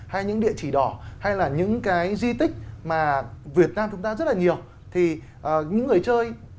hay những địa chỉ đỏ hay là những cái di tích mà việt nam chúng ta rất là nhiều thì những người chơi